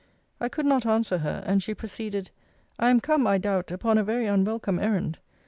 I could not answer her, and she proceeded I am come, I doubt, upon a very unwelcome errand.